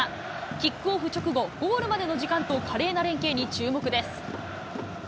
キックオフ直後、ゴールまでの時間と華麗な連係に注目です。